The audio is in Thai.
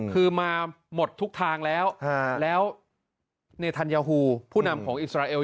คือมาหมดทุกทางแล้วแล้วเนธัญฮูผู้นำของอิสราเอล